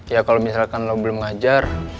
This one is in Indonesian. ya kalau misalkan lo belum ngajar